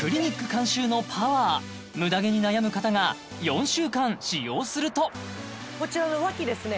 監修のパワームダ毛に悩む方が４週間使用するとこちらのワキですね